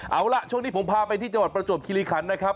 เอาล่ะช่วงนี้ผมพาไปที่จังหวัดประจวบคิริคันนะครับ